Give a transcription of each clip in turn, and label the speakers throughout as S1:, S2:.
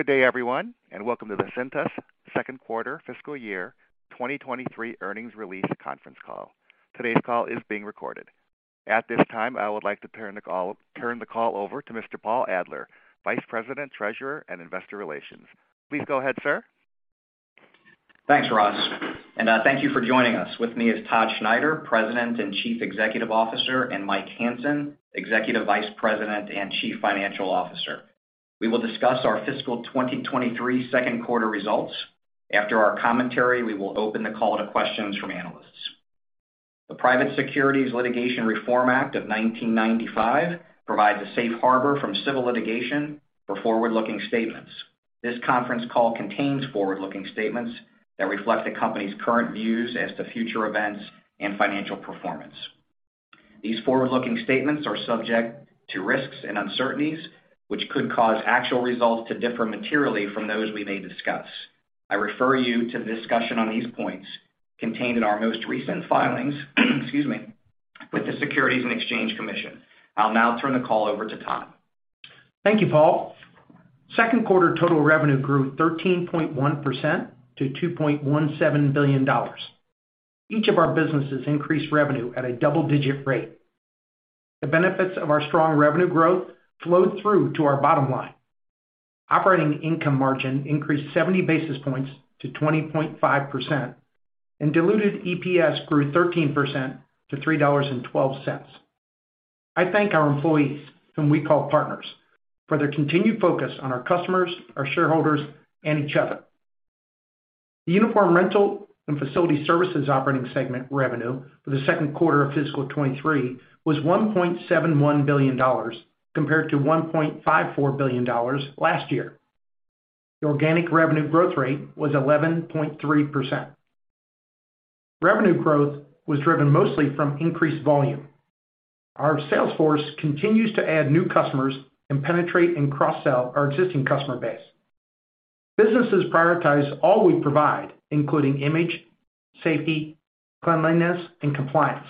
S1: Good day, everyone, welcome to the Cintas second quarter fiscal year 2023 earnings release conference call. Today's call is being recorded. At this time, I would like to turn the call over to Mr. Paul Adler, Vice President, Treasurer, and Investor Relations. Please go ahead, sir.
S2: Thanks, Ross. Thank you for joining us. With me is Todd Schneider, President and Chief Executive Officer, and Mike Hansen, Executive Vice President and Chief Financial Officer. We will discuss our fiscal 2023 second quarter results. After our commentary, we will open the call to questions from analysts. The Private Securities Litigation Reform Act of 1995 provides a safe harbor from civil litigation for forward-looking statements. This conference call contains forward-looking statements that reflect the company's current views as to future events and financial performance. These forward-looking statements are subject to risks and uncertainties, which could cause actual results to differ materially from those we may discuss. I refer you to the discussion on these points contained in our most recent filings, excuse me, with the Securities and Exchange Commission. I'll now turn the call over to Todd.
S3: Thank you, Paul. Second quarter total revenue grew 13.1% to $2.17 billion. Each of our businesses increased revenue at a double-digit rate. The benefits of our strong revenue growth flowed through to our bottom line. Operating income margin increased 70 basis points to 20.5%, and diluted EPS grew 13% to $3.12. I thank our employees, whom we call partners, for their continued focus on our customers, our shareholders, and each other. The Uniform Rental and Facility Services operating segment revenue for the second quarter of fiscal 2023 was $1.71 billion compared to $1.54 billion last year. The organic revenue growth rate was 11.3%. Revenue growth was driven mostly from increased volume. Our sales force continues to add new customers and penetrate and cross-sell our existing customer base. Businesses prioritize all we provide, including image, safety, cleanliness, and compliance.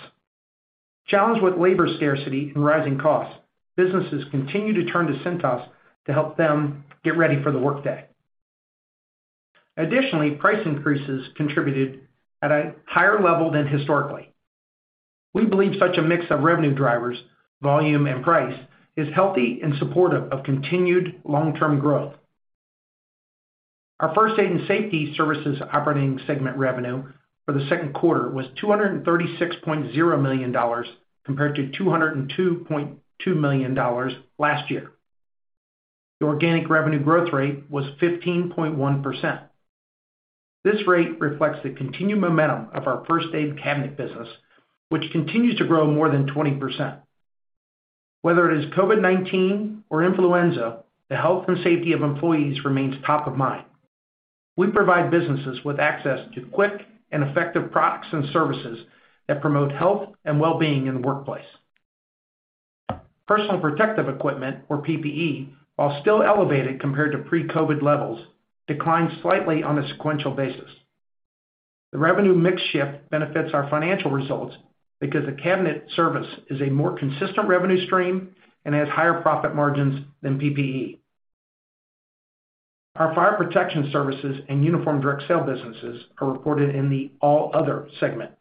S3: Challenged with labor scarcity and rising costs, businesses continue to turn to Cintas to help them get ready for the workday. Additionally, price increases contributed at a higher level than historically. We believe such a mix of revenue drivers, volume and price, is healthy and supportive of continued long-term growth. Our First Aid & Safety Services operating segment revenue for the second quarter was $236.0 million compared to $202.2 million last year. The organic revenue growth rate was 15.1%. This rate reflects the continued momentum of our first aid cabinet business, which continues to grow more than 20%. Whether it is COVID-19 or influenza, the health and safety of employees remains top of mind. We provide businesses with access to quick and effective products and services that promote health and wellbeing in the workplace. Personal protective equipment, or PPE, while still elevated compared to pre-COVID levels, declined slightly on a sequential basis. The revenue mix shift benefits our financial results, because the cabinet service is a more consistent revenue stream and has higher profit margins than PPE. Our Fire Protection Services and Uniform Direct Sale businesses are reported in the All Other segment.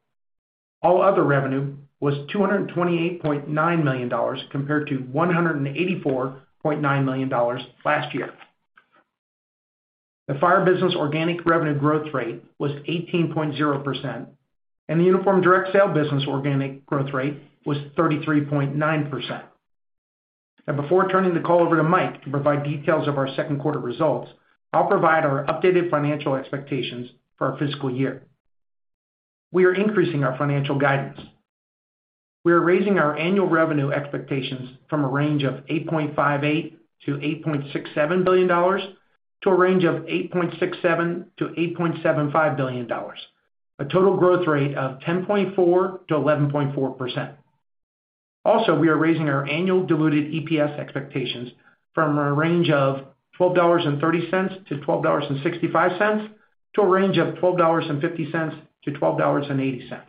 S3: All Other revenue was $228.9 million compared to $184.9 million last year. The Fire business organic revenue growth rate was 18.0%, and the Uniform Direct Sale business organic growth rate was 33.9%. Before turning the call over to Mike to provide details of our second quarter results, I'll provide our updated financial expectations for our fiscal year. We are increasing our financial guidance. We are raising our annual revenue expectations from a range of $8.58 billion-$8.67 billion to a range of $8.67 billion-$8.75 billion, a total growth rate of 10.4%-11.4%. Also, we are raising our annual diluted EPS expectations from a range of $12.30-$12.65 to a range of $12.50-$12.80,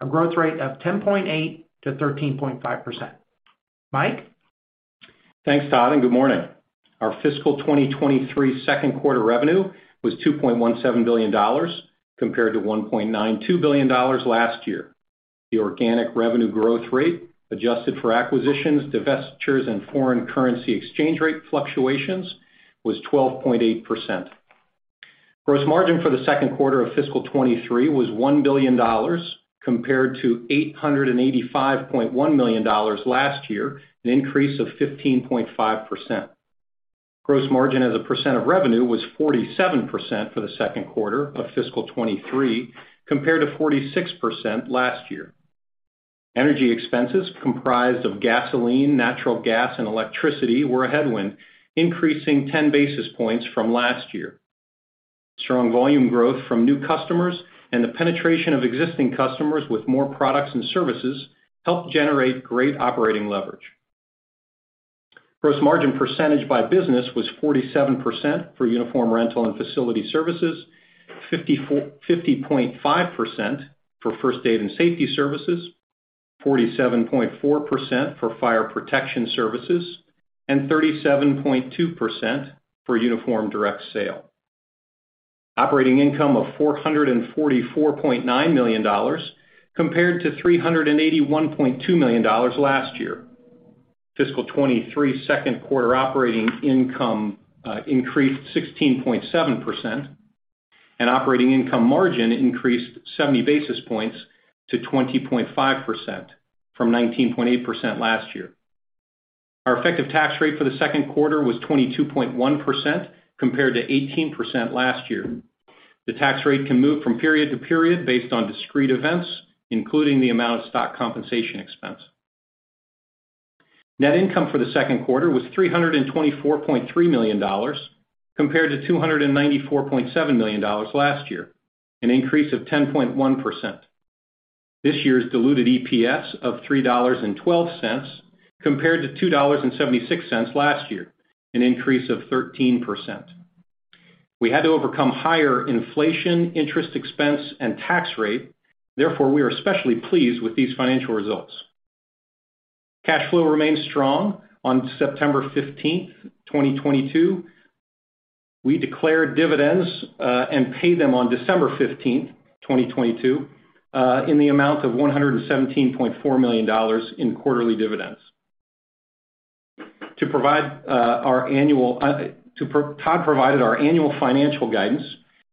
S3: a growth rate of 10.8%-13.5%. Mike?
S4: Thanks, Todd. Good morning. Our fiscal 2023 second quarter revenue was $2.17 billion compared to $1.92 billion last year. The organic revenue growth rate, adjusted for acquisitions, divestitures, and foreign currency exchange rate fluctuations, was 12.8%. Gross margin for the second quarter of fiscal 2023 was $1 billion compared to $885.1 million last year, an increase of 15.5%. Gross margin as a percent of revenue was 47% for the second quarter of fiscal 2023, compared to 46% last year. Energy expenses comprised of gasoline, natural gas, and electricity were a headwind, increasing 10 basis points from last year. Strong volume growth from new customers and the penetration of existing customers with more products and services helped generate great operating leverage. Gross margin percentage by business was 47% for Uniform Rental and Facility Services, 50.5% for First Aid & Safety Services. 47.4% for Fire Protection Services and 37.2% for Uniform Direct Sale. Operating income of $444.9 million compared to $381.2 million last year. Fiscal 2023 second quarter operating income increased 16.7%, and operating income margin increased 70 basis points to 20.5% from 19.8% last year. Our effective tax rate for the second quarter was 22.1% compared to 18% last year. The tax rate can move from period to period based on discrete events, including the amount of stock compensation expense. Net income for the second quarter was $324.3 million compared to $294.7 million last year, an increase of 10.1%. This year's diluted EPS of $3.12 compared to $2.76 last year, an increase of 13%. We had to overcome higher inflation, interest expense, and tax rate. Therefore, we are especially pleased with these financial results. Cash flow remains strong. On September 15, 2022, we declared dividends and paid them on December 15, 2022, in the amount of $117.4 million in quarterly dividends. Todd provided our annual financial guidance.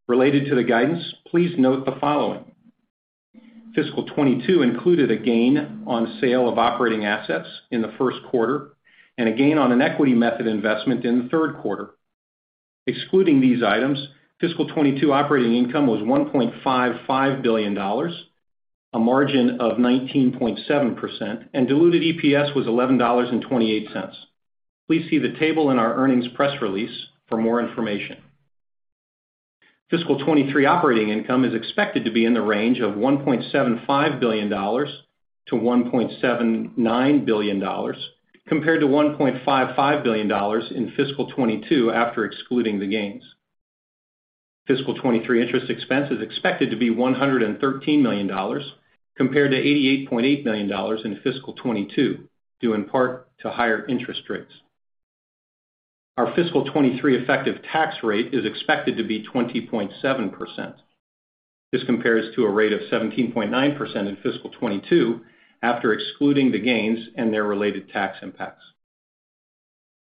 S4: Related to the guidance, please note the following. Fiscal 2022 included a gain on sale of operating assets in the first quarter and a gain on an equity method investment in the third quarter. Excluding these items, fiscal 2022 operating income was $1.55 billion, a margin of 19.7%, and diluted EPS was $11.28. Please see the table in our earnings press release for more information. Fiscal 2023 operating income is expected to be in the range of $1.75 billion-$1.79 billion compared to $1.55 billion in fiscal 2022 after excluding the gains. Fiscal 2023 interest expense is expected to be $113 million compared to $88.8 million in fiscal 2022, due in part to higher interest rates. Our fiscal 2023 effective tax rate is expected to be 20.7%. This compares to a rate of 17.9% in fiscal 2022 after excluding the gains and their related tax impacts.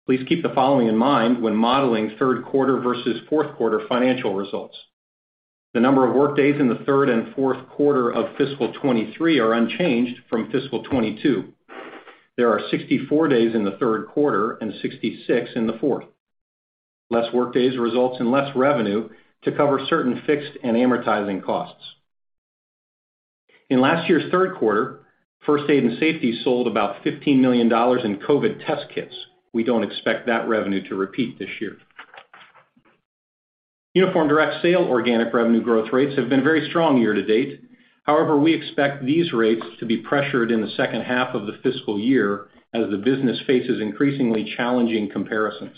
S4: Please keep the following in mind when modeling third quarter versus fourth quarter financial results. The number of workdays in the third and fourth quarter of fiscal 2023 are unchanged from fiscal 2022. There are 64 days in the third quarter and 66 in the fourth. Less workdays results in less revenue to cover certain fixed and amortizing costs. In last year's third quarter, First Aid & Safety sold about $15 million in COVID test kits. We don't expect that revenue to repeat this year. Uniform Direct Sale organic revenue growth rates have been very strong year-to-date. We expect these rates to be pressured in the second half of the fiscal year as the business faces increasingly challenging comparisons.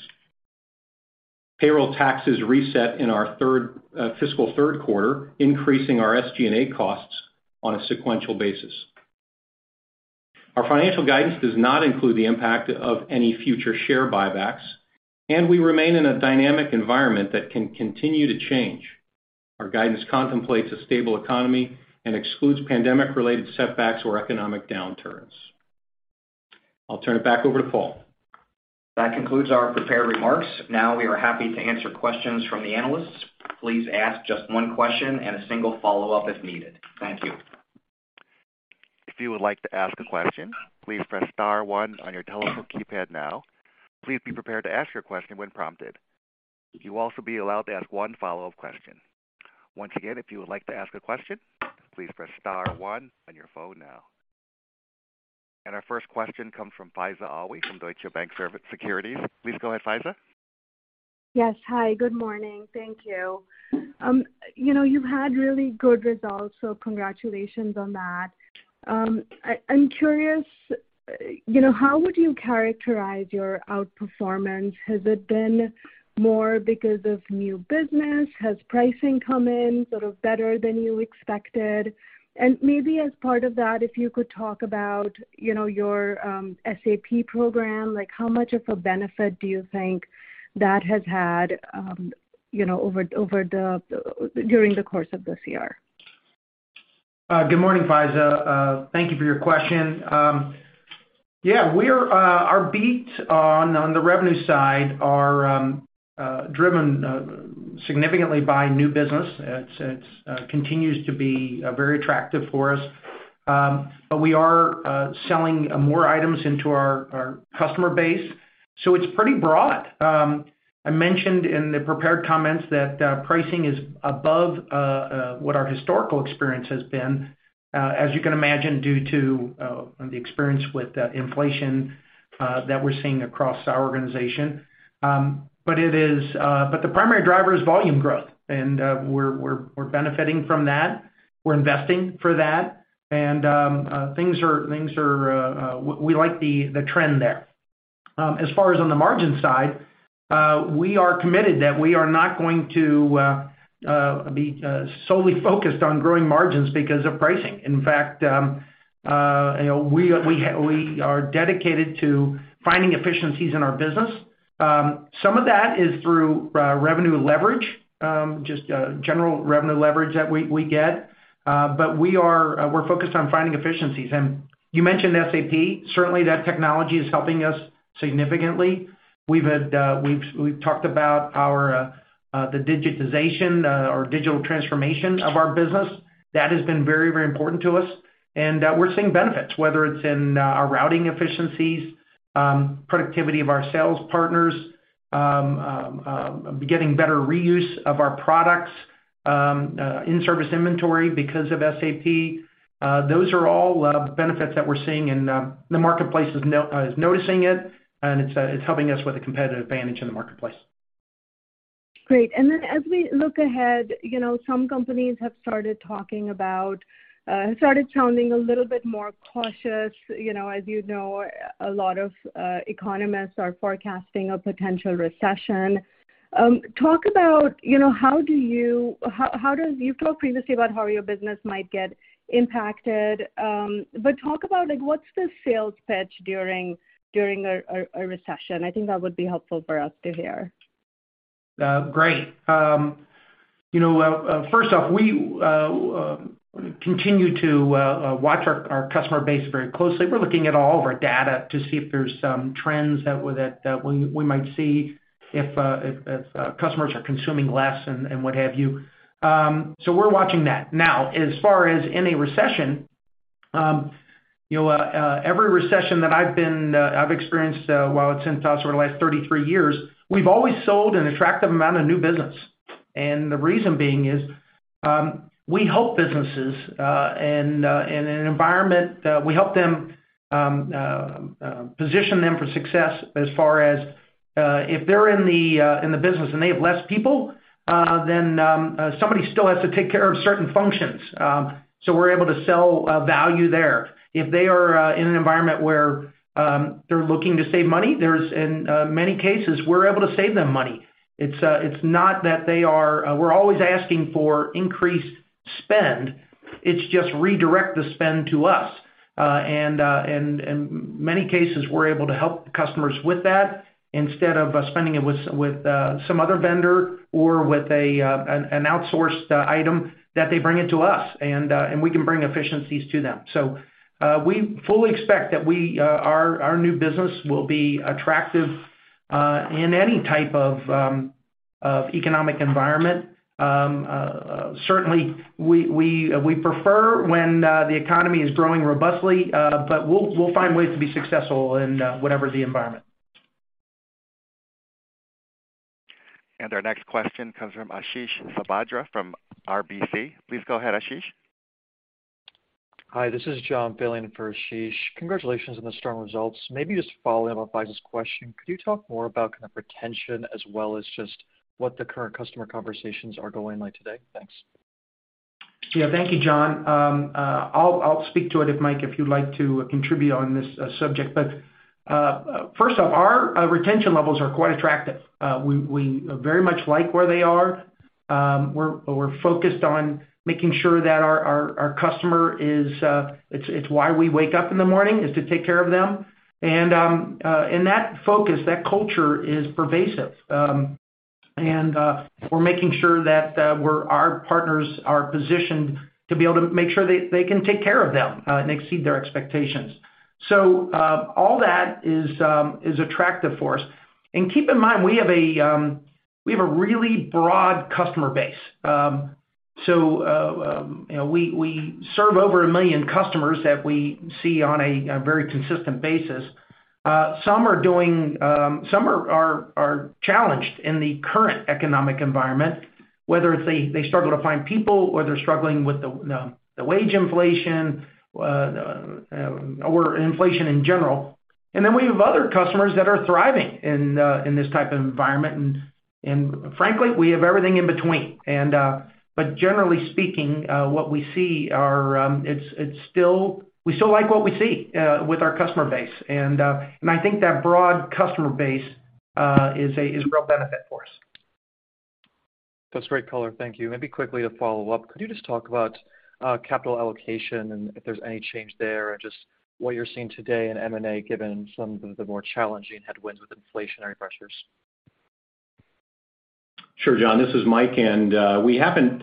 S4: Payroll taxes reset in our third fiscal third quarter, increasing our SG&A costs on a sequential basis. Our financial guidance does not include the impact of any future share buybacks. We remain in a dynamic environment that can continue to change. Our guidance contemplates a stable economy and excludes pandemic-related setbacks or economic downturns. I'll turn it back over to Paul.
S2: That concludes our prepared remarks. Now, we are happy to answer questions from the analysts. Please ask just one question and a single follow-up if needed. Thank you.
S1: If you would like to ask a question, please press star one on your telephone keypad now. Please be prepared to ask your question when prompted. You will also be allowed to ask one follow-up question. Once again, if you would like to ask a question, please press star 1 on your phone now. Our first question comes from Faiza Alwy from Deutsche Bank Securities. Please go ahead, Faiza.
S5: Yes. Hi, good morning. Thank you. You know, you've had really good results, congratulations on that. I'm curious, you know, how would you characterize your outperformance? Has it been more because of new business? Has pricing come in sort of better than you expected? Maybe as part of that if you could talk about, you know, your SAP program, like how much of a benefit do you think that has had, you know, over the, during the course of this year?
S3: Good morning, Faiza. Thank you for your question. Yeah, we're our beat on the revenue side are driven significantly by new business. It's continues to be very attractive for us. But we are selling more items into our customer base, so it's pretty broad. I mentioned in the prepared comments that pricing is above what our historical experience has been as you can imagine, due to the experience with inflation that we're seeing across our organization. But it is but the primary driver is volume growth, and we're benefiting from that. We're investing for that. Things are we like the trend there. As far as on the margin side, we are committed that we are not going to be solely focused on growing margins because of pricing. In fact, you know, we are dedicated to finding efficiencies in our business. Some of that is through revenue leverage, just general revenue leverage that we get. We are we're focused on finding efficiencies. You mentioned SAP. Certainly, that technology is helping us significantly. We've had we've talked about our the digitization or digital transformation of our business. That has been very, very important to us, and we're seeing benefits, whether it's in our routing efficiencies, productivity of our sales partners, getting better reuse of our products in service inventory because of SAP. Those are all, benefits that we're seeing, and, the marketplace is noticing it, and it's helping us with a competitive advantage in the marketplace.
S5: Great. As we look ahead, you know, some companies have started talking about, started sounding a little bit more cautious. You know, as you know, a lot of economists are forecasting a potential recession. Talk about, you know, You've talked previously about how your business might get impacted, talk about like what's the sales pitch during a recession. I think that would be helpful for us to hear.
S3: Great. You know, first off, we continue to watch our customer base very closely. We're looking at all of our data to see if there's some trends that we might see if customers are consuming less and what have you. We're watching that. As far as in a recession, you know, every recession that I've been, I've experienced, well, since sort of the last 33 years, we've always sold an attractive amount of new business. The reason being is, we help businesses, and in an environment, we help them position them for success as far as, if they're in the business and they have less people, then somebody still has to take care of certain functions. We're able to sell value there. If they are in an environment where they're looking to save money, and in many cases, we're able to save them money. It's not that we're always asking for increased spend. It's just redirect the spend to us. In many cases, we're able to help customers with that instead of spending it with some other vendor or with an outsourced item that they bring it to us, and we can bring efficiencies to them. We fully expect that our new business will be attractive in any type of economic environment. Certainly, we prefer when the economy is growing robustly, but we'll find ways to be successful in whatever the environment.
S1: Our next question comes from Ashish Sabadra from RBC. Please go ahead, Ashish.
S6: Hi, this is John filling in for Ashish. Congratulations on the strong results. Maybe just follow up on Faiza's question. Could you talk more about kind of retention as well as just what the current customer conversations are going like today? Thanks.
S3: Yeah, thank you, John. I'll speak to it if, Mike, if you'd like to contribute on this subject. First off, our retention levels are quite attractive. We very much like where they are. We're focused on making sure that our customer is, it's why we wake up in the morning, is to take care of them. That focus, that culture is pervasive. We're making sure that our partners are positioned to be able to make sure they can take care of them and exceed their expectations. All that is attractive for us. Keep in mind, we have a really broad customer base. You know, we serve over 1 million customers that we see on a very consistent basis. Some are doing, some are challenged in the current economic environment, whether it's they struggle to find people, or they're struggling with the wage inflation or inflation in general. We have other customers that are thriving in this type of environment. Frankly, we have everything in between. Generally speaking, what we see are, we still like what we see with our customer base. I think that broad customer base is a real benefit for us.
S6: That's great color. Thank you. Maybe quickly to follow up. Could you just talk about capital allocation and if there's any change there and just what you're seeing today in M&A, given some of the more challenging headwinds with inflationary pressures?
S4: Sure, John. This is Mike, we haven't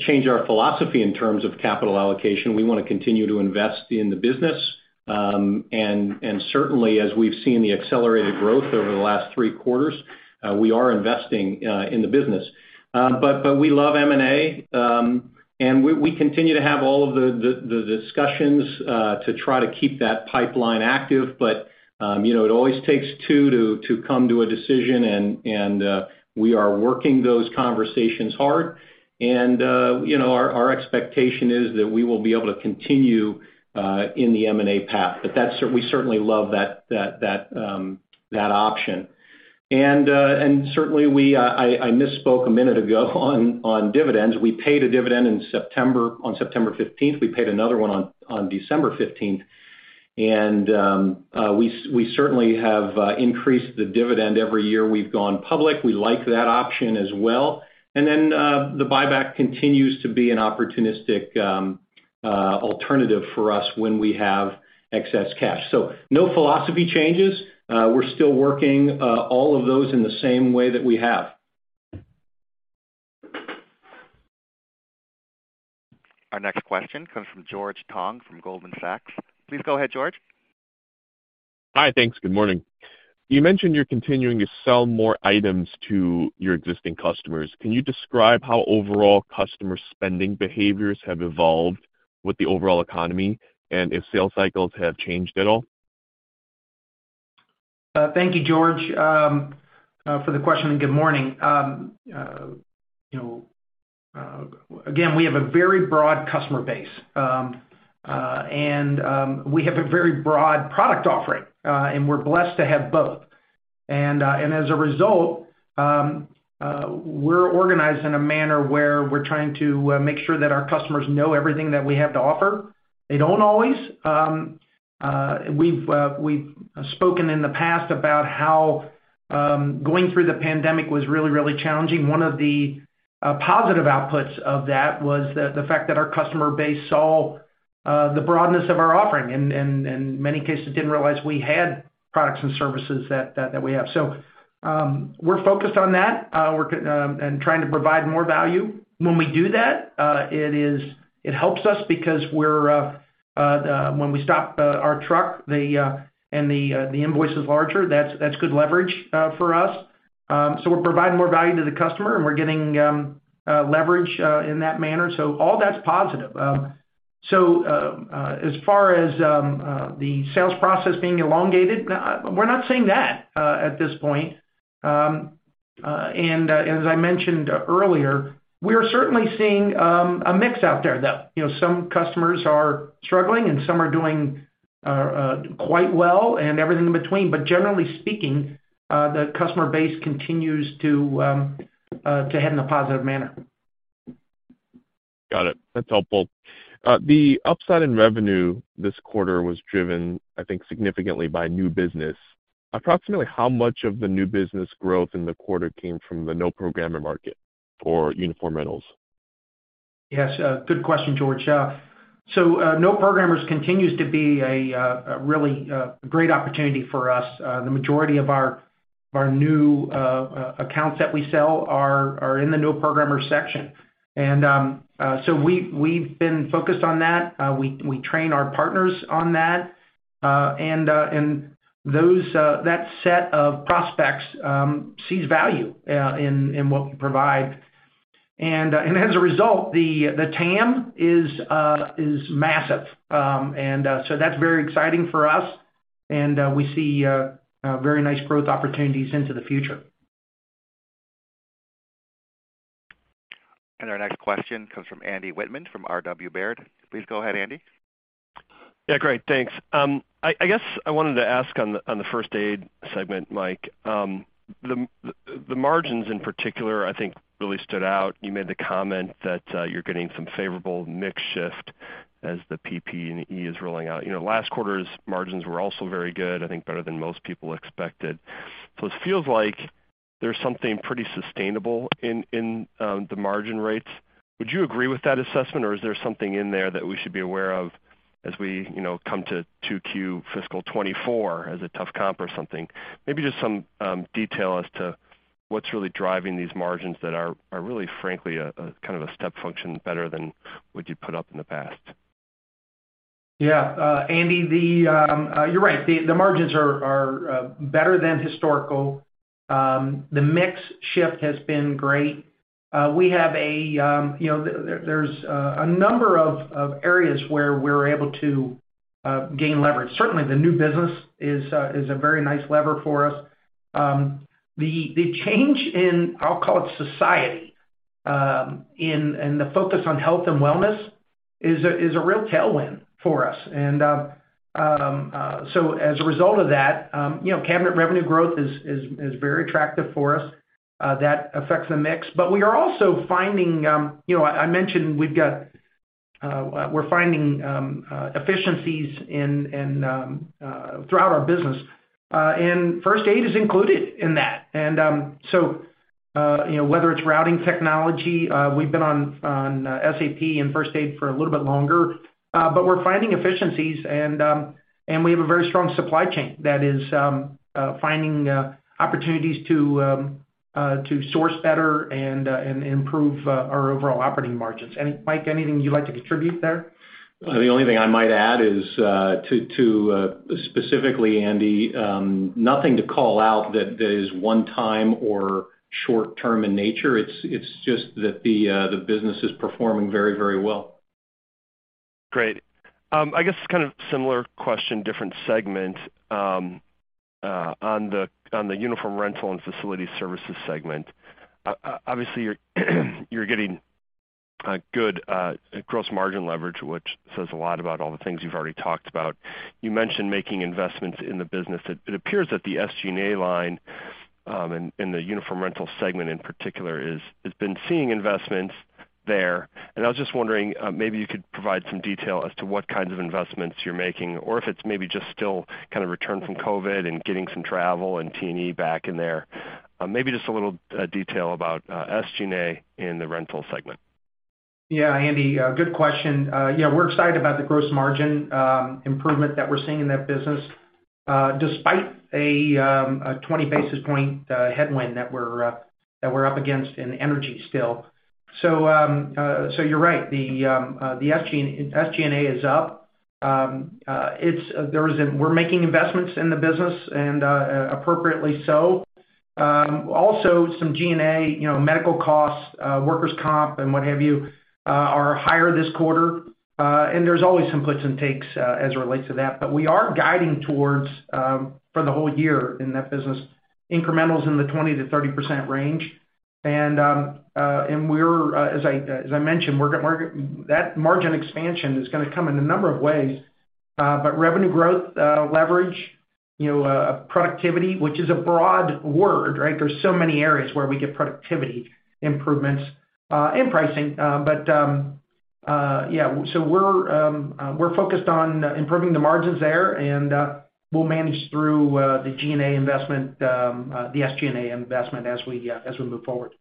S4: changed our philosophy in terms of capital allocation. We wanna continue to invest in the business. Certainly, as we've seen the accelerated growth over the last three quarters, we are investing in the business. We love M&A, and we continue to have all of the discussions to try to keep that pipeline active. You know, it always takes two to come to a decision and we are working those conversations hard. You know, our expectation is that we will be able to continue in the M&A path. We certainly love that. That option. And certainly we, I misspoke a minute ago on dividends. We paid a dividend in September, on September 15th, we paid another one on December 15th. And we certainly have increased the dividend every year we've gone public. We like that option as well. Then the buyback continues to be an opportunistic alternative for us when we have excess cash. No philosophy changes. We're still working all of those in the same way that we have.
S1: Our next question comes from George Tong from Goldman Sachs. Please go ahead, George.
S7: Hi. Thanks. Good morning. You mentioned you're continuing to sell more items to your existing customers. Can you describe how overall customer spending behaviors have evolved with the overall economy and if sales cycles have changed at all?
S3: Thank you, George, for the question. Good morning. You know, again, we have a very broad customer base. We have a very broad product offering, and we're blessed to have both. As a result, we're organized in a manner where we're trying to make sure that our customers know everything that we have to offer. They don't always. We've spoken in the past about how going through the pandemic was really, really challenging. One of the positive outputs of that was the fact that our customer base saw the broadness of our offering, and many cases didn't realize we had products and services that we have. We're focused on that work and trying to provide more value. When we do that, it helps us because when we stop our truck, and the invoice is larger, that's good leverage for us. We're providing more value to the customer, and we're getting leverage in that manner. All that's positive. As far as the sales process being elongated, we're not seeing that at this point. As I mentioned earlier, we are certainly seeing a mix out there, though. You know, some customers are struggling, and some are doing quite well and everything in between. Generally speaking, the customer base continues to head in a positive manner.
S7: Got it. That's helpful. The upside in revenue this quarter was driven, I think, significantly by new business. Approximately how much of the new business growth in the quarter came from the no-programmer market for uniform rentals?
S3: Yes, good question, George. No-programmer continues to be a really great opportunity for us. The majority of our new accounts that we sell are in the no-programmer section. We've been focused on that. We train our partners on that. Those that set of prospects sees value in what we provide. As a result, the TAM is massive. That's very exciting for us and we see very nice growth opportunities into the future.
S1: Our next question comes from Andy Wittmann from R.W. Baird. Please go ahead, Andy.
S8: Yeah, great. Thanks. I guess I wanted to ask on the First Aid segment, Mike. The margins in particular I think really stood out. You made the comment that you're getting some favorable mix shift as the PPE is rolling out. You know, last quarter's margins were also very good, I think, better than most people expected. It feels like there's something pretty sustainable in the margin rates. Would you agree with that assessment, or is there something in there that we should be aware of as we, you know, come to 2Q fiscal 2024 as a tough comp or something? Maybe just some detail as to what's really driving these margins that are really, frankly a kind of a step function better than what you'd put up in the past.
S3: Yeah. Andy, you're right. The margins are better than historical. The mix shift has been great. We have a, you know, there's a number of areas where we're able to gain leverage. Certainly, the new business is a very nice lever for us. The change in, I'll call it society, and the focus on health and wellness is a real tailwind for us. As a result of that, you know, cabinet revenue growth is very attractive for us. That affects the mix. We are also finding, you know, I mentioned we've got, we're finding efficiencies in throughout our business, and First Aid is included in that. You know, whether it's routing technology, we've been on SAP and first aid for a little bit longer, but we're finding efficiencies and we have a very strong supply chain that is finding opportunities to source better and improve our overall operating margins. Andy. Mike, anything you'd like to contribute there?
S4: The only thing I might add is to specifically, Andy, nothing to call out that is one time or short term in nature. It's just that the business is performing very, very well.
S8: Great. I guess kind of similar question, different segment. On the Uniform Rental and Facility Services segment, obviously, you're getting A good gross margin leverage, which says a lot about all the things you've already talked about. You mentioned making investments in the business. It appears that the SG&A line in the Uniform Rental segment in particular has been seeing investments there. I was just wondering, maybe you could provide some detail as to what kinds of investments you're making or if it's maybe just still kind of return from COVID and getting some travel and T&E back in there. Maybe just a little detail about SG&A in the rental segment.
S3: Yeah, Andy, good question. Yeah, we're excited about the gross margin improvement that we're seeing in that business, despite a 20 basis point headwind that we're that we're up against in energy still. You're right. The SG&A is up. We're making investments in the business and appropriately so. Also some G&A, you know, medical costs, workers' comp and what have you, are higher this quarter. There's always some puts and takes as it relates to that. We are guiding towards for the whole year in that business, incrementals in the 20%-30% range. As I mentioned, that margin expansion is gonna come in a number of ways. Revenue growth, leverage, you know, productivity, which is a broad word, right? There's so many areas where we get productivity improvements and pricing. Yeah, we're focused on improving the margins there, and we'll manage through the G&A investment, the SG&A investment as we move forward.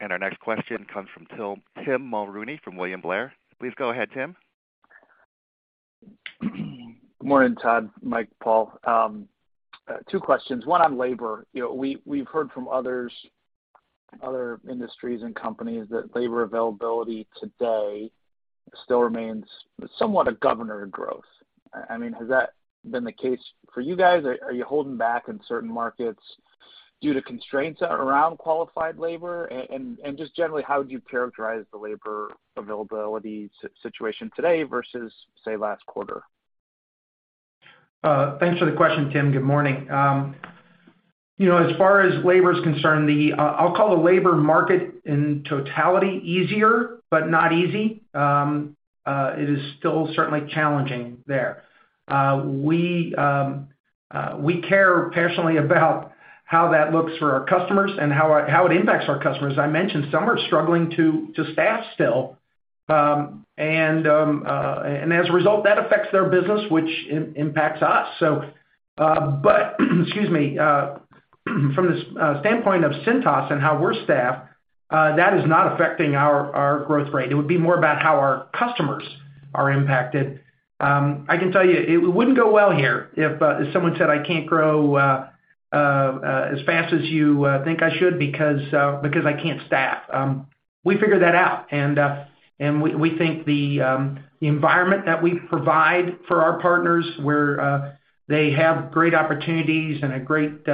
S1: Our next question comes from Tim Mulrooney from William Blair. Please go ahead, Tim.
S9: Good morning, Todd, Mike, Paul. Two questions, one on labor. You know, we've heard from others, other industries and companies that labor availability today still remains somewhat a governor to growth. I mean, has that been the case for you guys? Are you holding back in certain markets due to constraints around qualified labor? Just generally, how would you characterize the labor availability situation today versus, say, last quarter?
S3: Thanks for the question, Tim. Good morning. You know, as far as labor is concerned, the, I'll call the labor market in totality easier, but not easy. It is still certainly challenging there. We care passionately about how that looks for our customers and how it impacts our customers. I mentioned some are struggling to staff still. As a result, that affects their business, which impacts us. But, excuse me, from the standpoint of Cintas and how we're staffed, that is not affecting our growth rate. It would be more about how our customers are impacted. I can tell you, it wouldn't go well here if someone said, "I can't grow as fast as you think I should because I can't staff." We figured that out. We think the environment that we provide for our partners where they have great opportunities and a great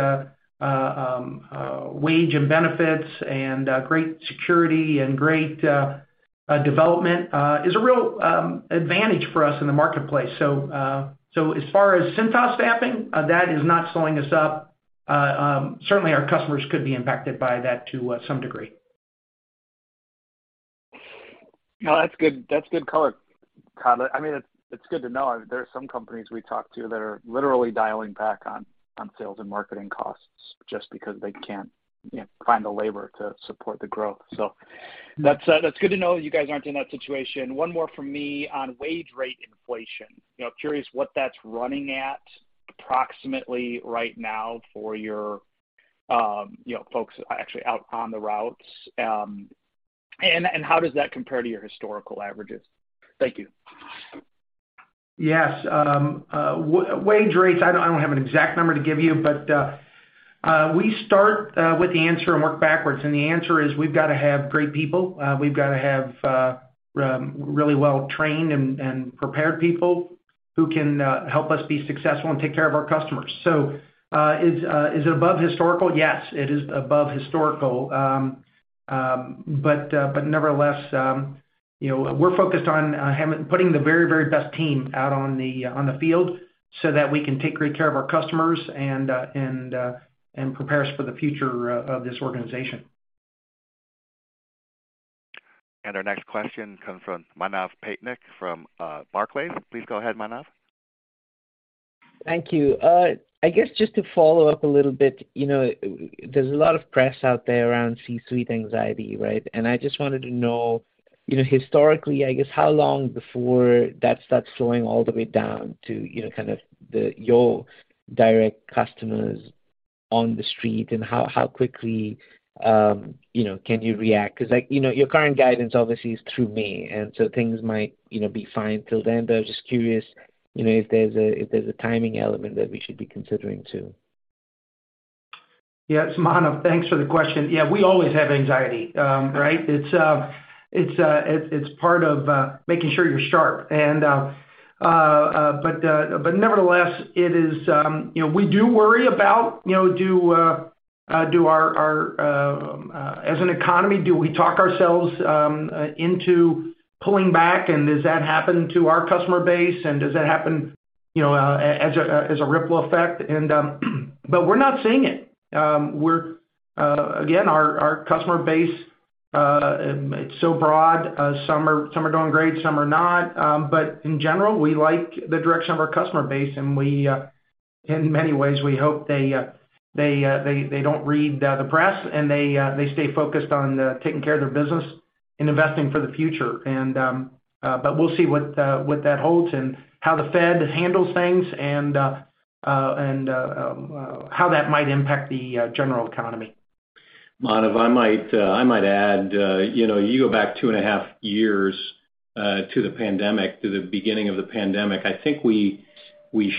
S3: wage and benefits and great security and great development is a real advantage for us in the marketplace. As far as Cintas staffing, that is not slowing us up. Certainly our customers could be impacted by that to some degree.
S9: No, that's good. That's good color, Todd. I mean, it's good to know. There are some companies we talk to that are literally dialing back on sales and marketing costs just because they can't, you know, find the labor to support the growth. That's good to know you guys aren't in that situation. One more from me on wage rate inflation. You know, I'm curious what that's running at approximately right now for your, you know, folks actually out on the routes. And how does that compare to your historical averages? Thank you.
S3: Yes. wage rates, I don't have an exact number to give you, but we start with the answer and work backwards. The answer is we've got to have great people. We've got to have really well-trained and prepared people who can help us be successful and take care of our customers. Is it above historical? Yes, it is above historical. Nevertheless, you know, we're focused on putting the very, very best team out on the field so that we can take great care of our customers and prepare us for the future of this organization.
S1: Our next question comes from Manav Patnaik from Barclays. Please go ahead, Manav.
S10: Thank you. I guess just to follow up a little bit, you know, there's a lot of press out there around C-suite anxiety, right? I just wanted to know, you know, historically, I guess how long before that starts slowing all the way down to, you know, kind of your direct customers on the street and how quickly, you know, can you react? Like, you know, your current guidance obviously is through May, so things might, you know, be fine till then. I'm just curious, you know, if there's a, if there's a timing element that we should be considering too.
S3: Yes, Manav, thanks for the question. Yeah, we always have anxiety, right? It's part of making sure you're sharp. Nevertheless, it is, you know, we do worry about, you know, do our as an economy, do we talk ourselves into pulling back? Does that happen to our customer base? Does that happen-You know, as a ripple effect. But we're not seeing it. We're again, our customer base, it's so broad. Some are doing great, some are not. In general, we like the direction of our customer base, and we, in many ways, we hope they don't read the press, and they stay focused on taking care of their business and investing for the future. We'll see what that holds and how the Fed handles things and how that might impact the general economy.
S4: Manav, I might add, you know, you go back two and a half years to the beginning of the pandemic, I think we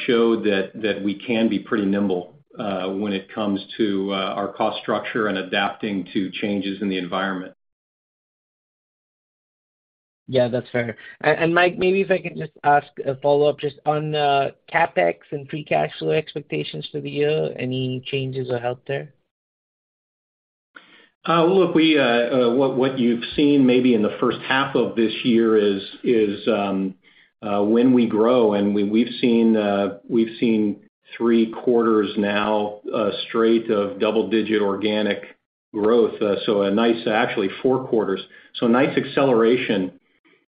S4: showed that we can be pretty nimble when it comes to our cost structure and adapting to changes in the environment.
S10: Yeah, that's fair. Mike, maybe if I could just ask a follow-up just on CapEx and free cash flow expectations for the year. Any changes or help there?
S4: Look, what you've seen maybe in the first half of this year is when we grow and we've seen three quarters now straight of double-digit organic growth. Actually, four quarters. So nice acceleration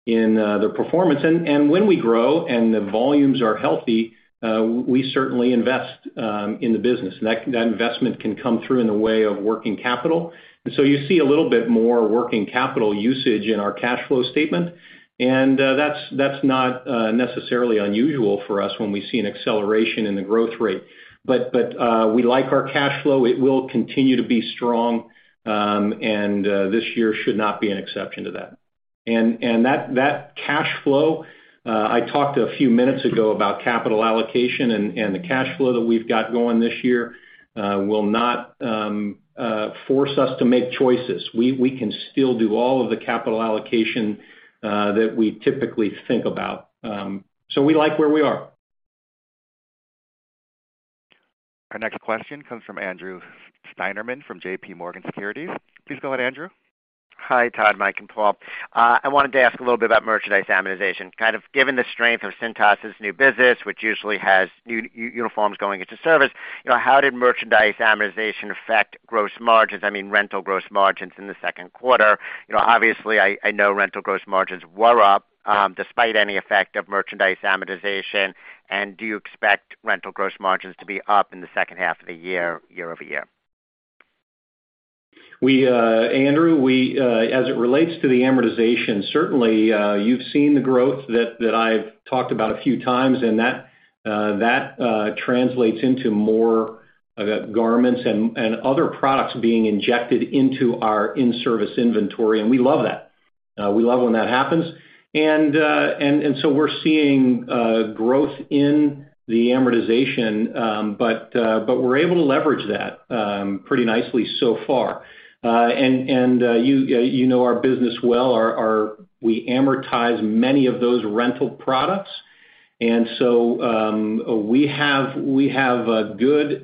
S4: in the performance. When we grow and the volumes are healthy, we certainly invest in the business. That investment can come through in the way of working capital. So you see a little bit more working capital usage in our cash flow statement. That's not necessarily unusual for us when we see an acceleration in the growth rate. We like our cash flow. It will continue to be strong, and this year should not be an exception to that. That cash flow, I talked a few minutes ago about capital allocation and the cash flow that we've got going this year, will not force us to make choices. We can still do all of the capital allocation that we typically think about. We like where we are.
S1: Our next question comes from Andrew Steinerman from JPMorgan Securities. Please go ahead, Andrew.
S11: Hi, Todd, Mike, and Paul. I wanted to ask a little bit about merchandise amortization. Kind of given the strength of Cintas' new business, which usually has new uniforms going into service, you know, how did merchandise amortization affect gross margins, I mean, rental gross margins in the second quarter? You know, obviously, I know rental gross margins were up, despite any effect of merchandise amortization. Do you expect rental gross margins to be up in the second half of the year-over-year?
S4: Andrew, as it relates to the amortization, certainly, you've seen the growth that I've talked about a few times, that translates into more garments and other products being injected into our in-service inventory. We love that. We love when that happens. We're seeing growth in the amortization, but we're able to leverage that pretty nicely so far. You know our business well. We amortize many of those rental products. We have a good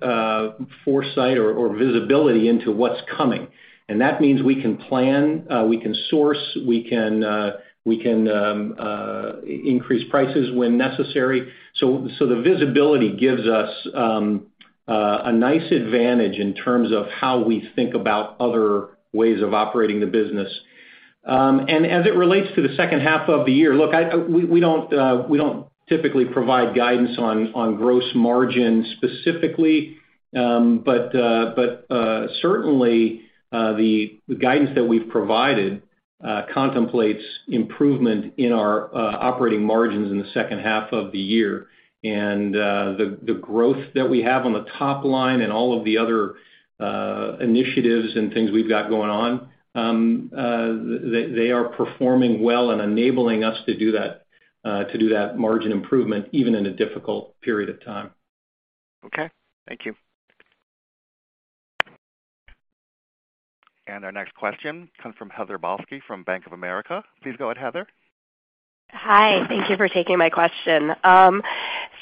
S4: foresight or visibility into what's coming. That means we can plan, we can source, we can increase prices when necessary. The visibility gives us a nice advantage in terms of how we think about other ways of operating the business. As it relates to the second half of the year, look, I—we don't typically provide guidance on gross margin specifically. Certainly, the guidance that we've provided contemplates improvement in our operating margins in the second half of the year. The growth that we have on the top line and all of the other initiatives and things we've got going on, they are performing well and enabling us to do that margin improvement even in a difficult period of time.
S11: Okay. Thank you.
S1: Our next question comes from Heather Balsky from Bank of America. Please go ahead, Heather.
S12: Hi. Thank you for taking my question.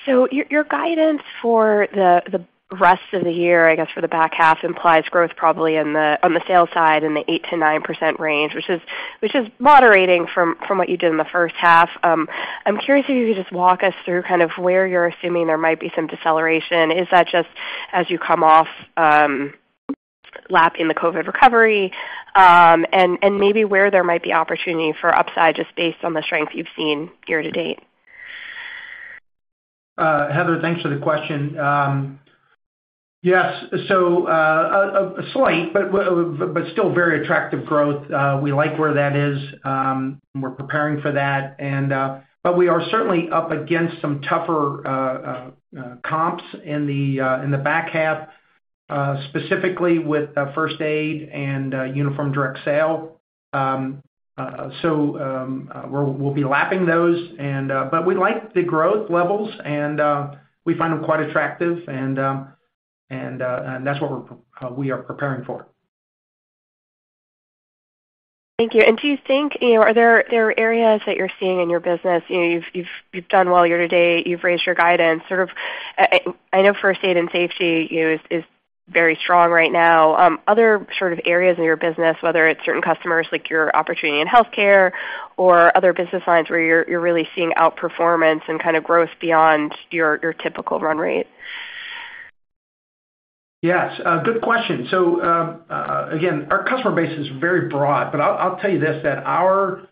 S12: Your guidance for the rest of the year, I guess, for the back half, implies growth probably on the sales side in the 8%-9% range, which is moderating from what you did in the first half. I'm curious if you could just walk us through kind of where you're assuming there might be some deceleration. Is that just as you come off, lap in the COVID recovery? Maybe where there might be opportunity for upside, just based on the strength you've seen year to date.
S3: Heather, thanks for the question. Yes. A slight, but still very attractive growth. We like where that is. We're preparing for that. We are certainly up against some tougher comps in the back half, specifically with First Aid and Uniform Direct Sale. We'll be lapping those and we like the growth levels and, we find them quite attractive and that's what we're, we are preparing for.
S12: Thank you. Do you think, you know, there are areas that you're seeing in your business, you know, you've done well year to date, you've raised your guidance, sort of, I know First Aid & Safety, you know, is very strong right now. Other sort of areas of your business, whether it's certain customers like your opportunity in healthcare or other business lines where you're really seeing outperformance and kind of growth beyond your typical run rate.
S3: Yes, a good question. Again, our customer base is very broad, but I'll tell you this, that our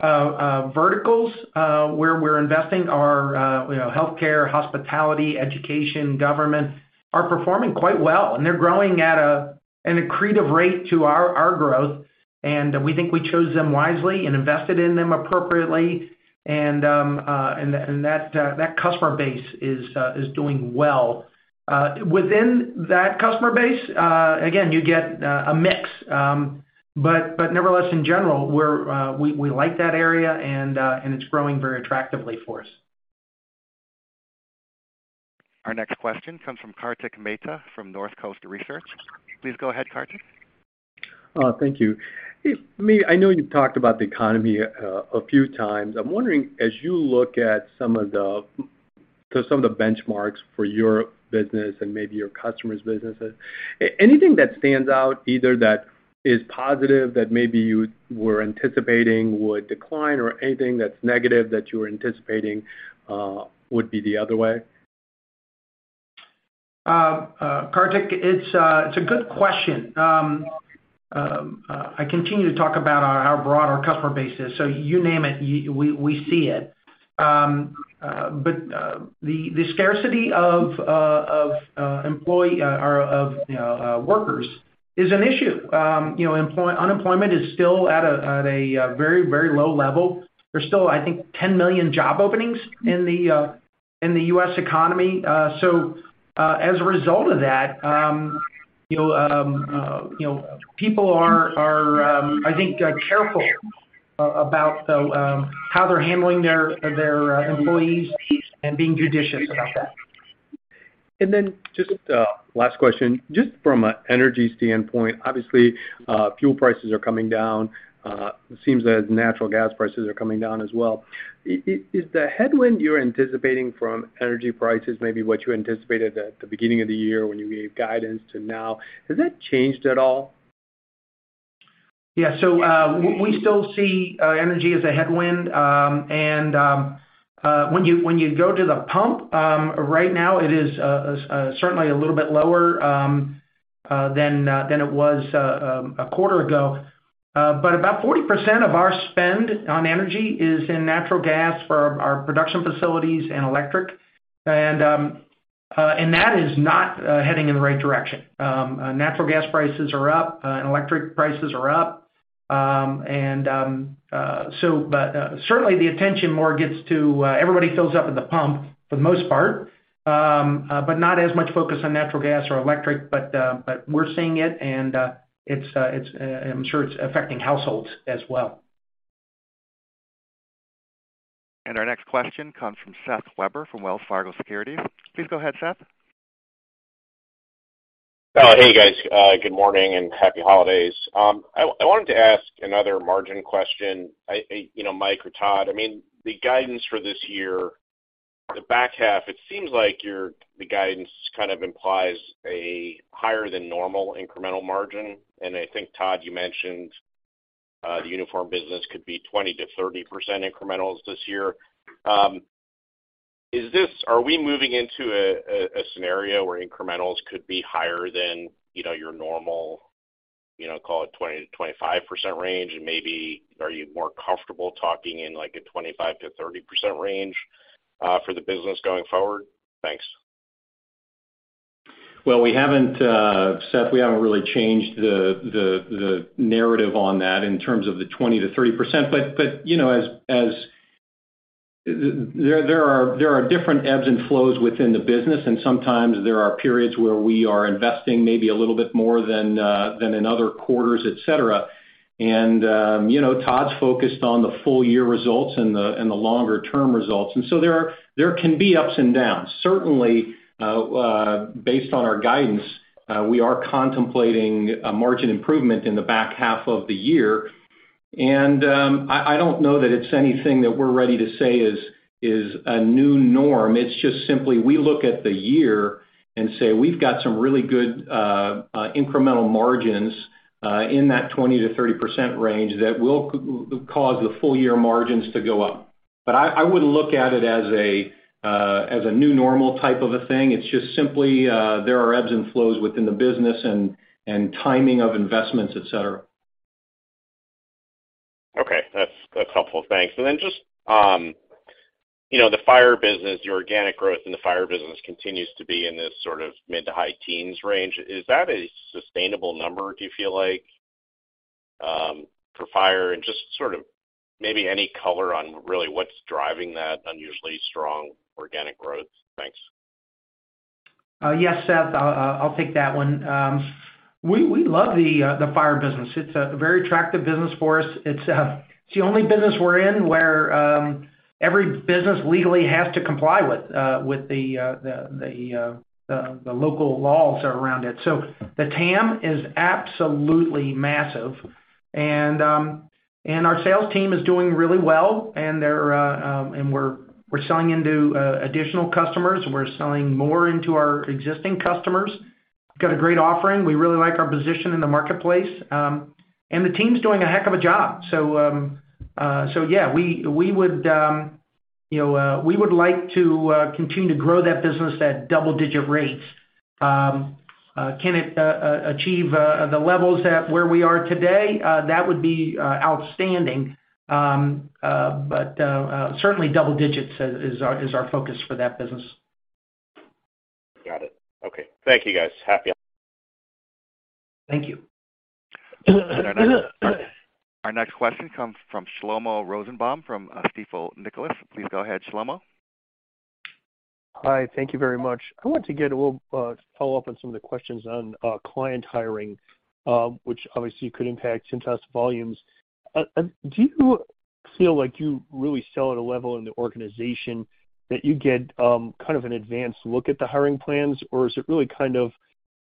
S3: verticals where we're investing, you know, healthcare, hospitality, education, government, are performing quite well, and they're growing at an accretive rate to our growth. We think we chose them wisely and invested in them appropriately. That customer base is doing well. Within that customer base, again, you get a mix. But nevertheless, in general, we like that area and it's growing very attractively for us.
S1: Our next question comes from Kartik Mehta from Northcoast Research. Please go ahead, Kartik.
S13: Thank you. I know you talked about the economy, a few times. I'm wondering, as you look at some of the benchmarks for your business and maybe your customers' businesses, anything that stands out either that is positive that maybe you were anticipating would decline or anything that's negative that you were anticipating, would be the other way?
S3: Kartik, it's a good question. I continue to talk about how broad our customer base is. You name it, we see it. The scarcity of employee or of, you know, workers is an issue. You know, unemployment is still at a very low level. There's still, I think, 10 million job openings in the U.S. economy. As a result of that, you'll, you know, people are, I think, careful about how they're handling their employees and being judicious about that.
S13: Just a last question. Just from an energy standpoint, obviously, fuel prices are coming down. It seems that natural gas prices are coming down as well. Is the headwind you're anticipating from energy prices maybe what you anticipated at the beginning of the year when you gave guidance to now, has that changed at all?
S3: Yeah. We still see energy as a headwind. When you go to the pump, right now, it is certainly a little bit lower than it was a quarter ago. About 40% of our spend on energy is in natural gas for our production facilities and electric, and that is not heading in the right direction. Natural gas prices are up, and electric prices are up. Certainly, the attention more gets to everybody fills up at the pump for the most part, but not as much focus on natural gas or electric, but we're seeing it, and it's I'm sure it's affecting households as well.
S1: Our next question comes from Seth Weber from Wells Fargo Securities. Please go ahead, Seth.
S14: Oh, hey, guys. Good morning and happy holidays. I wanted to ask another margin question. You know, Mike or Todd, I mean, the guidance for this year, the back half, it seems like the guidance kind of implies a higher than normal incremental margin. I think, Todd, you mentioned the uniform business could be 20%-30% incrementals this year. Are we moving into a scenario where incrementals could be higher than, you know, your normal, you know, call it 20%-25% range? Maybe are you more comfortable talking in like a 25%-30% range for the business going forward? Thanks.
S4: Well, we haven't, Seth, we haven't really changed the narrative on that in terms of the 20%-30%. You know, as there are different ebbs and flows within the business, and sometimes there are periods where we are investing maybe a little bit more than in other quarters, et cetera. You know, Todd's focused on the full year results and the longer term results. There can be ups and downs. Certainly, based on our guidance, we are contemplating a margin improvement in the back half of the year. I don't know that it's anything that we're ready to say is a new norm. It's just simply we look at the year and say, "We've got some really good incremental margins in that 20%-30% range that will cause the full year margins to go up." But I wouldn't look at it as a new normal type of a thing. It's just simply, there are ebbs and flows within the business and timing of investments, et cetera.
S14: Okay. That's helpful. Thanks. Then just, you know, the Fire business, your organic growth in the Fire business continues to be in this sort of mid to high teens range. Is that a sustainable number, do you feel like, for Fire? Just sort of maybe any color on really what's driving that unusually strong organic growth? Thanks.
S3: Yes, Seth. I'll take that one. We love the Fire business. It's a very attractive business for us. It's the only business we're in where every business legally has to comply with the local laws around it. The TAM is absolutely massive. Our sales team is doing really well, and we're selling into additional customers. We're selling more into our existing customers. Got a great offering. We really like our position in the marketplace, and the team's doing a heck of a job. Yeah, we would, you know, we would like to continue to grow that business at double-digit rates. Can it achieve the levels at where we are today? That would be outstanding. Certainly double digits is our focus for that business.
S14: Got it. Okay. Thank you, guys. Happy holidays.
S3: Thank you.
S1: Our next question comes from Shlomo Rosenbaum from Stifel Nicolaus. Please go ahead, Shlomo.
S15: Hi. Thank you very much. I want to get a little follow-up on some of the questions on client hiring, which obviously could impact Cintas volumes. Do you feel like you really sell at a level in the organization that you get kind of an advanced look at the hiring plans, or is it really kind of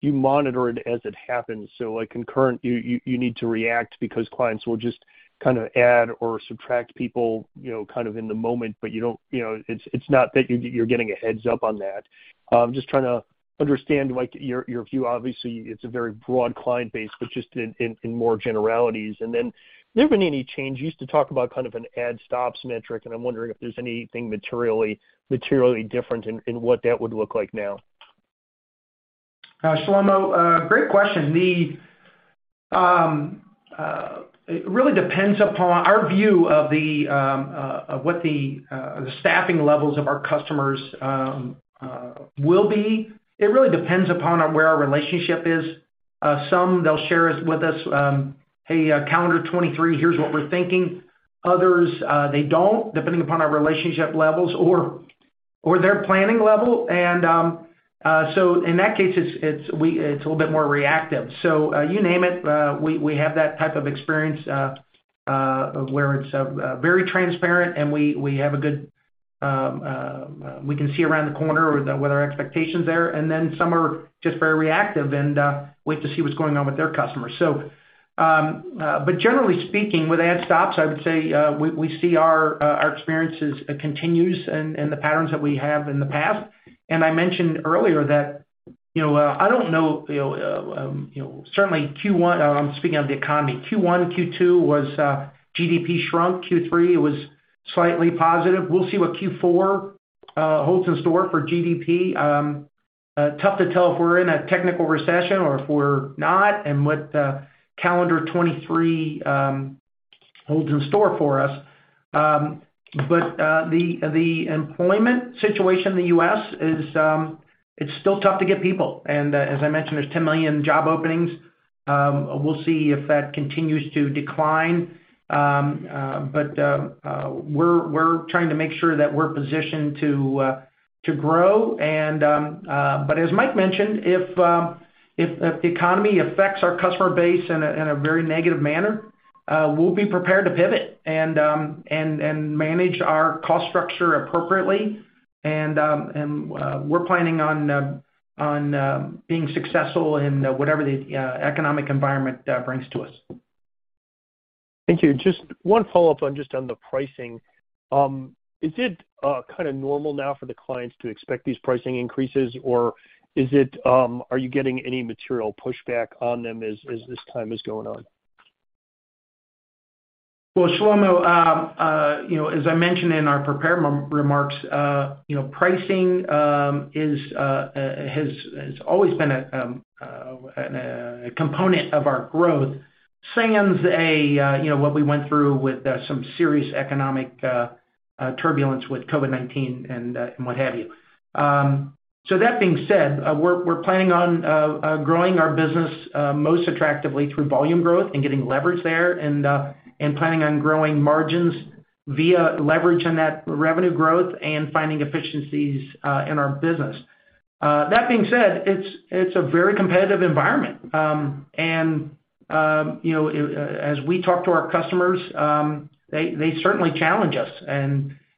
S15: you monitor it as it happens? Like concurrent, you need to react because clients will just kind of add or subtract people, kind of in the moment, but you don't, you know, it's not that you're getting a heads-up on that. Just trying to understand, like, your view. Obviously, it's a very broad client base, but just in more generalities. There have been any changes. You used to talk about kind of an add stops metric, and I'm wondering if there's anything materially different in what that would look like now?
S3: Shlomo, great question. It really depends upon our view of what the staffing levels of our customers will be. It really depends upon where our relationship is. Some they'll share us, with us, "Hey, calendar 2023, here's what we're thinking." Others, they don't, depending upon our relationship levels or their planning level. In that case, it's a little bit more reactive. You name it, we have that type of experience where it's very transparent and we have a good, we can see around the corner with our expectations there. Some are just very reactive and wait to see what's going on with their customers. But generally speaking, with add stops, I would say, we see our experiences continues and the patterns that we have in the past. I mentioned earlier that, you know, I don't know, you know, certainly Q1—I'm speaking of the economy. Q1, Q2 was GDP shrunk. Q3 was slightly positive. We'll see what Q4 holds in store for GDP. Tough to tell if we're in a technical recession or if we're not, and what calendar 2023 holds in store for us. But the employment situation in the U.S. is, it's still tough to get people. As I mentioned, there's 10 million job openings. We'll see if that continues to decline. We're trying to make sure that we're positioned to grow. As Mike mentioned, if the economy affects our customer base in a very negative manner, we'll be prepared to pivot and manage our cost structure appropriately. We're planning on being successful in whatever the economic environment brings to us.
S15: Thank you. Just one follow-up on the pricing. Is it, kind of normal now for the clients to expect these pricing increases, or is it, are you getting any material pushback on them as this time is going on?
S3: Well, Shlomo, you know, as I mentioned in our prepared remarks, you know, pricing has always been a component of our growth, sans a, you know, what we went through with some serious economic turbulence with COVID-19 and what have you. That being said, we're planning on growing our business most attractively through volume growth and getting leverage there and planning on growing margins via leverage on that revenue growth and finding efficiencies in our business. That being said, it's a very competitive environment. You know, as we talk to our customers, they certainly challenge us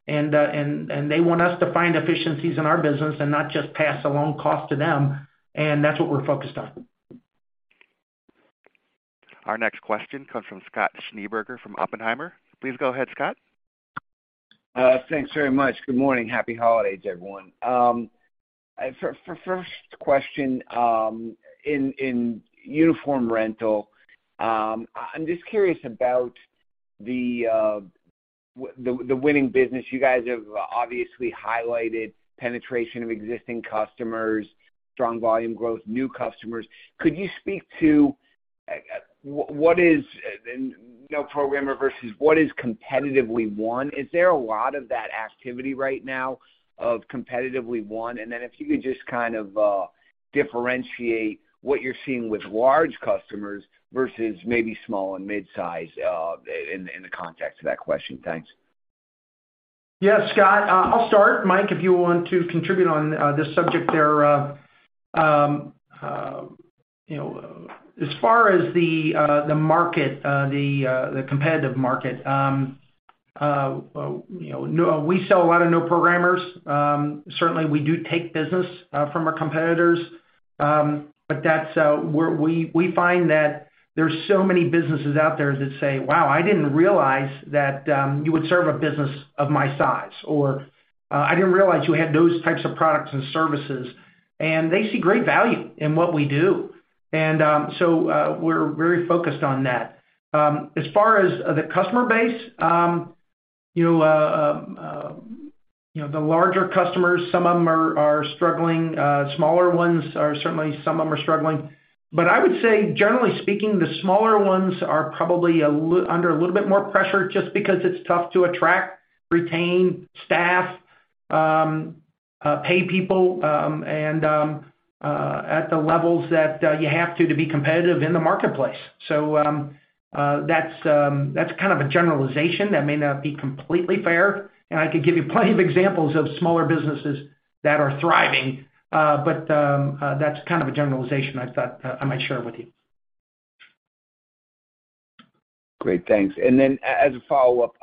S3: and they want us to find efficiencies in our business and not just pass along cost to them. That's what we're focused on.
S1: Our next question comes from Scott Schneeberger from Oppenheimer. Please go ahead, Scott.
S16: Thanks very much. Good morning. Happy holidays, everyone. For first question, in uniform rental, I'm just curious about the winning business. You guys have obviously highlighted penetration of existing customers, strong volume growth, new customers. Could you speak to what is, you know, program versus what is competitively won? Is there a lot of that activity right now of competitively won? If you could just kind of differentiate what you're seeing with large customers versus maybe small and mid-size, in the context of that question. Thanks.
S3: Yeah, Scott, I'll start. Mike, if you want to contribute on this subject there. You know, no, we sell a lot of new programmers. Certainly we do take business from our competitors. That's, we find that there's so many businesses out there that say, "Wow, I didn't realize that you would serve a business of my size," or, "I didn't realize you had those types of products and services." They see great value in what we do. We're very focused on that. As far as the customer base, you know, you know, the larger customers, some of them are struggling. Smaller ones are certainly some of them are struggling. I would say generally speaking, the smaller ones are probably under a little bit more pressure just because it's tough to attract, retain staff, pay people, and at the levels that you have to be competitive in the marketplace. That's kind of a generalization that may not be completely fair, and I could give you plenty of examples of smaller businesses that are thriving. That's kind of a generalization I thought I might share with you.
S16: Great. Thanks. Then as a follow-up,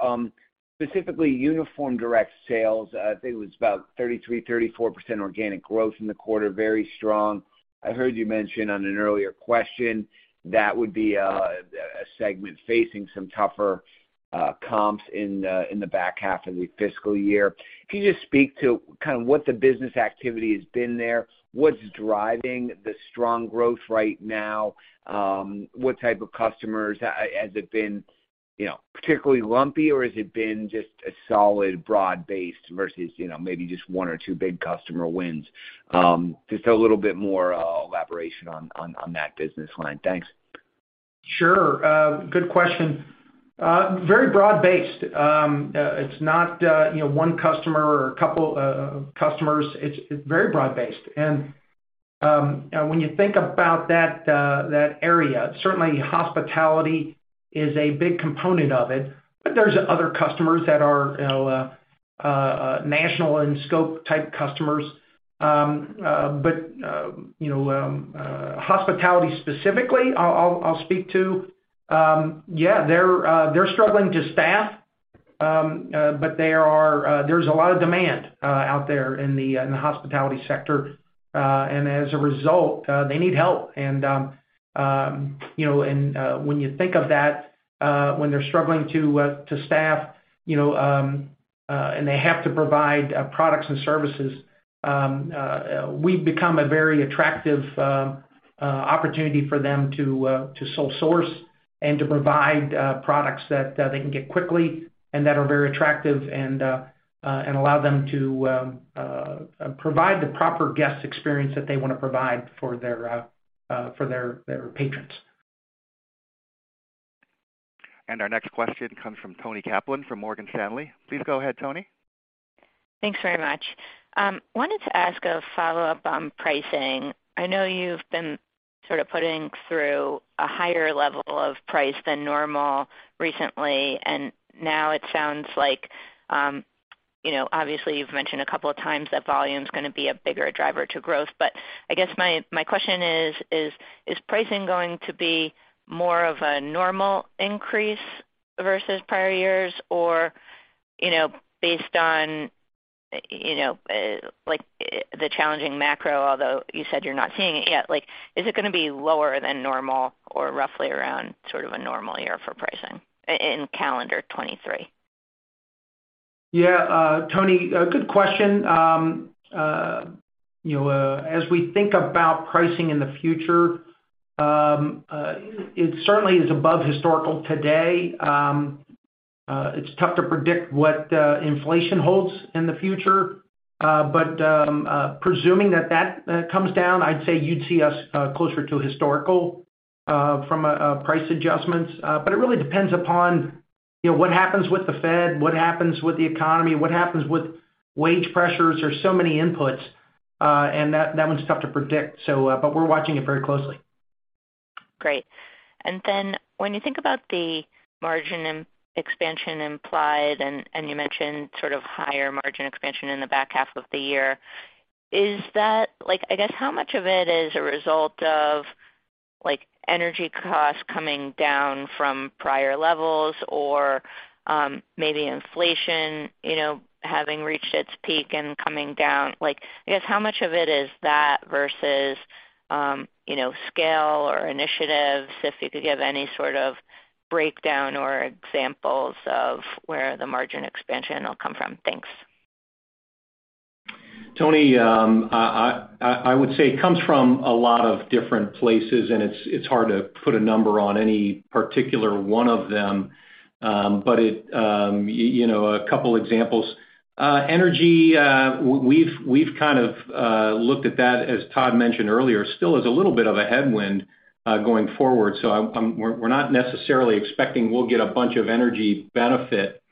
S16: specifically Uniform Direct Sales, I think it was about 33%-34% organic growth in the quarter, very strong. I heard you mention on an earlier question that would be a segment facing some tougher comps in the back half of the fiscal year. Can you just speak to kind of what the business activity has been there? What's driving the strong growth right now? What type of customers? Has it been, you know, particularly lumpy or has it been just a solid broad base versus, you know, maybe just one or two big customer wins? Just a little bit more elaboration on that business line. Thanks.
S3: Sure. Good question. Very broad-based. It's not, you know, one customer or a couple of customers. It's, it's very broad-based. When you think about that area, certainly hospitality is a big component of it, but there's other customers that are, you know, national in scope type customers. You know, hospitality specifically I'll, I'll speak to. Yeah, they're struggling to staff, but there's a lot of demand out there in the hospitality sector. As a result, they need help. You know, when you think of that, when they're struggling to staff, you know, and they have to provide products and services, we've become a very attractive opportunity for them to sole source and to provide products that they can get quickly and that are very attractive and allow them to provide the proper guest experience that they wanna provide for their patrons.
S1: Our next question comes from Toni Kaplan from Morgan Stanley. Please go ahead, Toni.
S17: Thanks very much. wanted to ask a follow-up on pricing. I know you've been sort of putting through a higher level of price than normal recently. Now it sounds like, you know, obviously you've mentioned a couple of times that volume's gonna be a bigger driver to growth. I guess my question is pricing going to be more of a normal increase versus prior years? You know, based on, you know, like, the challenging macro, although you said you're not seeing it yet, like, is it gonna be lower than normal or roughly around sort of a normal year for pricing in calendar 2023?
S3: Yeah, Toni, a good question. You know, as we think about pricing in the future, it certainly is above historical today. It's tough to predict what inflation holds in the future. Presuming that that comes down, I'd say you'd see us closer to historical from a price adjustments. It really depends upon, you know, what happens with the Fed, what happens with the economy, what happens with wage pressures. There's so many inputs, that one's tough to predict, we're watching it very closely.
S17: Great. When you think about the margin expansion implied, and you mentioned sort of higher margin expansion in the back half of the year, is that? Like, I guess how much of it is a result of, like, energy costs coming down from prior levels or, maybe inflation, you know, having reached its peak and coming down? Like, I guess how much of it is that versus, you know, scale or initiatives? If you could give any sort of breakdown or examples of where the margin expansion will come from. Thanks.
S4: Toni, I would say it comes from a lot of different places, and it's hard to put a number on any particular one of them. But it, you know, a couple examples. Energy, we've kind of looked at that, as Todd mentioned earlier. Still is a little bit of a headwind going forward. We're not necessarily expecting we'll get a bunch of energy benefit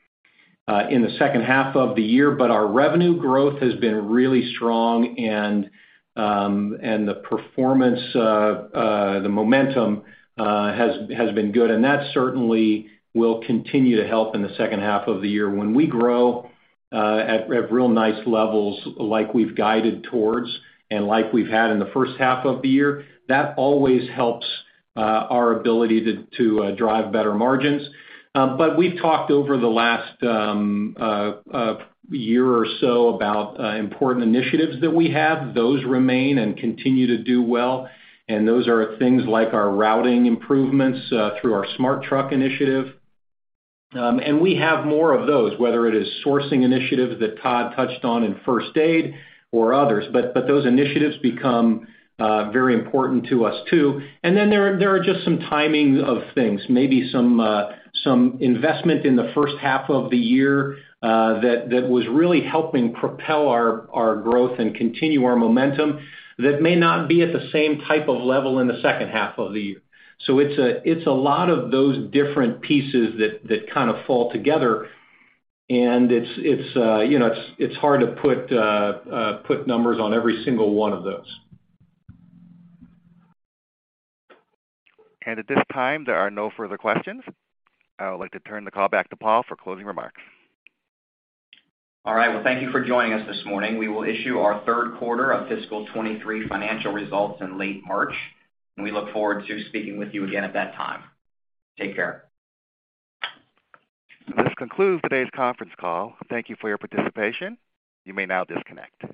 S4: in the second half of the year. Our revenue growth has been really strong and the performance, the momentum has been good, and that certainly will continue to help in the second half of the year. When we grow at real nice levels like we've guided towards and like we've had in the first half of the year, that always helps our ability to drive better margins. We've talked over the last year or so about important initiatives that we have. Those remain and continue to do well, and those are things like our routing improvements through our SmartTruck initiative. We have more of those, whether it is sourcing initiatives that Todd touched on in First Aid or others. Those initiatives become very important to us, too. Then there are just some timing of things, maybe some investment in the first half of the year, that was really helping propel our growth and continue our momentum that may not be at the same type of level in the second half of the year. It's a lot of those different pieces that kind of fall together. It's, you know, it's hard to put numbers on every single one of those.
S1: At this time, there are no further questions. I would like to turn the call back to Paul for closing remarks.
S2: All right. Well, thank you for joining us this morning. We will issue our third quarter of fiscal 2023 financial results in late March, and we look forward to speaking with you again at that time. Take care.
S1: This concludes today's conference call. Thank you for your participation. You may now disconnect.